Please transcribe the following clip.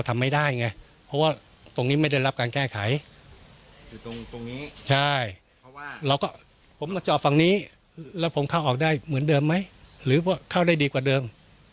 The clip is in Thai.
มันจะออกฝั่งนี้แล้วผมเข้าออกได้เหมือนเดิมไหมหรือเข้าได้ดีกว่าเดิม